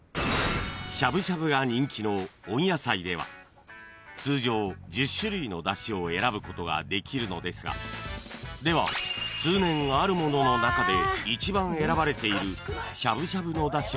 ［しゃぶしゃぶが人気の温野菜では通常１０種類のだしを選ぶことができるのですがでは通年あるものの中で］